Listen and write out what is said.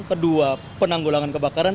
kedua penanggulangan kebakaran